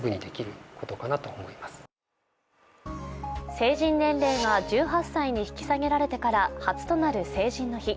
成人年齢が１８歳に引き下げられてから初となる成人の日。